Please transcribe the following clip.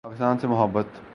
پاکستان سے محبت